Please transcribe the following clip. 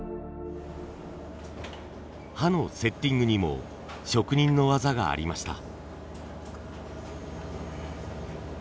刃のセッティングにも職人の技がありました。